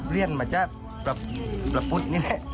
เรียนมัชชาประมุดนี้หน่ะ